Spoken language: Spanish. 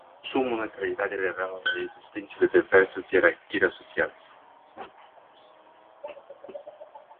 Su monumentalidad revela la existencia de diversas jerarquías sociales.